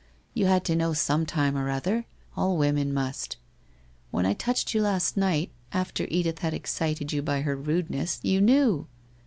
You had to know some time or other. All women must. When I touched you last night, after Edith had excited you by her rudeness, you knew!